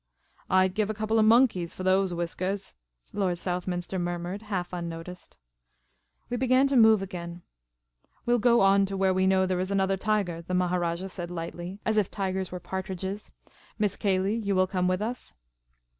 " I 'd give a couple of monkeys for those whiskahs," Lord Southminster murmured, half unnoticed. We began to move again. " We '11 go on to where we know there is another tiger," the Maharajah said, lightly, as if tigers were partridges. " Miss Cayley, you will come with us